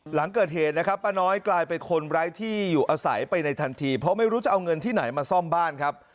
หลังเกิดเหตุนะครับป้าน้อยกลายเป็นคนไร้ที่อยู่อาศัยไปในทันทีเพราะไม่รู้จะเอาเงินที่ไหนมาซ่อมบ้านครับ